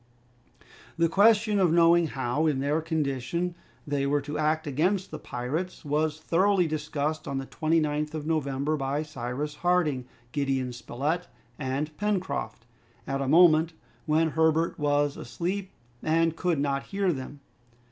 The question of knowing how, in their condition, they were to act against the pirates, was thoroughly discussed on the 29th of November by Cyrus Harding, Gideon Spilett, and Pencroft, at a moment when Herbert was asleep and could not hear them.